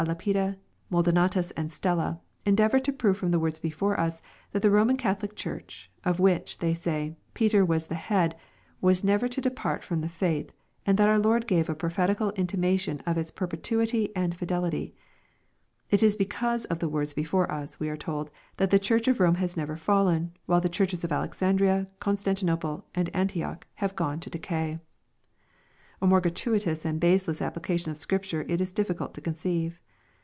Lapide, Maldo natus, and Stella, endeavor to prove from the words before us, that the Boman Catholic Church, of which, they say, Peter was the head, was never to depart from the faith, and that our Lord gave a prophetical intimation of its perpetuity and fidelity. It is be cause of the words before us, we are told, that the Church of Borne has never fallen, while the Churches of Alexandria, Constantino ple, and Antioch, have gene to decay I A more gratuitous and baseless application of Scripture it is difficult to conceive.